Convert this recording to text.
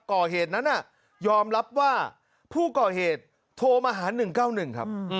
ก่อเหตุนั้นยอมรับว่าผู้ก่อเหตุโทรมาหา๑๙๑ครับ